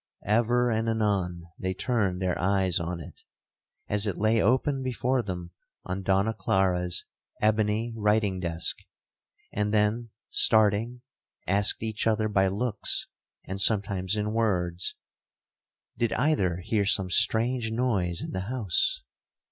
Ever and anon they turned their eyes on it, as it lay open before them on Donna Clara's ebony writing desk, and then starting, asked each other by looks, and sometimes in words, 'Did either hear some strange noise in the house?'